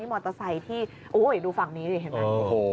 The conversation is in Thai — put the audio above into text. มอเตอร์ไซต์ที่โอ้โหดูฝั่งนี้ได้เห็นไหม